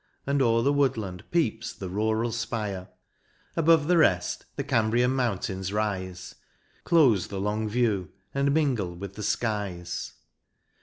And o'er the woodland peeps the rural fpire ; Above the reft the Cambrian mountains rife, Clofe the long view, and mingle with the fkies.